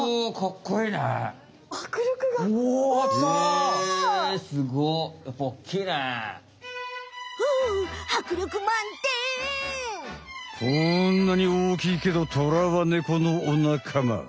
こんなにおおきいけどトラはネコのお仲間。